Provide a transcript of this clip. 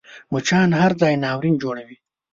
مچان هر ځای ناورین جوړوي